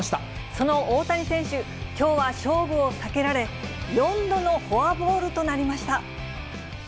その大谷選手、きょうは勝負を避けられ、４度のフォアボールとなりました。